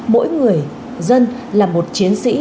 mỗi người dân là một chiến sĩ